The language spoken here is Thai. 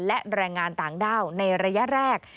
และแรงงานต่างด้าวในระยะแรก